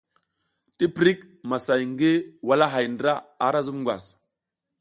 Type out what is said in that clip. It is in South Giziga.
Tiptik, masay ngi walahay ndra ara zub ngwas.